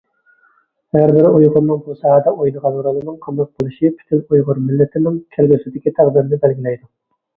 ھەربىر ئۇيغۇرنىڭ بۇ ساھەدە ئوينىغان رولىنىڭ قانداق بولۇشى پۈتۈن ئۇيغۇر مىللىتىنىڭ كەلگۈسىدىكى تەقدىرىنى بەلگىلەيدۇ.